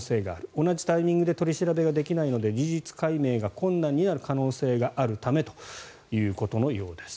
同じタイミングで取り調べができないので事実解明が困難になる可能性があるためということのようです。